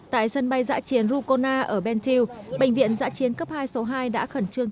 tại sân bay dã chiến rukona ở bentiu bệnh viện dã chiến cấp hai số hai đã khẩn trương